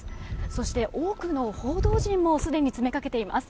そして、多くの報道陣もすでに詰めかけています。